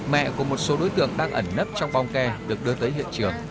mẹ của một số đối tượng đang ẩn nấp trong bong ke được đưa tới hiện trường